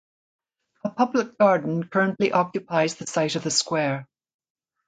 A public garden currently occupies the site of the square.